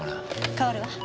代わるわ。